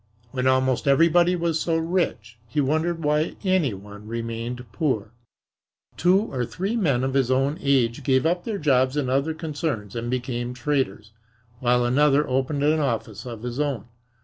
When almost everybody was so rich he wondered why any one remained poor. Two or three men of his own age gave up their jobs in other concerns and became traders, while another opened an office of his own.